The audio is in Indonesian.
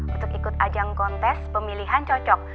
untuk ikut ajang kontes pemilihan cocok